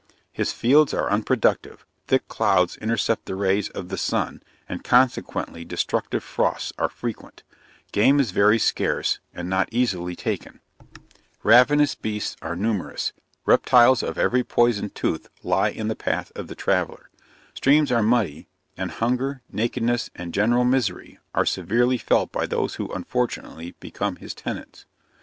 His fields are unproductive; thick clouds intercept the rays of the sun, and consequently destructive frosts are frequent; game is very scarce, and not easily taken; ravenous beasts are numerous; reptiles of every poisoned tooth lie in the path of the traveller; streams are muddy, and hunger, nakedness and general misery, are severely felt by those who unfortunately become his tenants.